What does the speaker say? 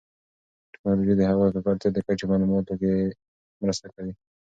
ټیکنالوژي د هوا د ککړتیا د کچې په معلومولو کې مرسته کوي.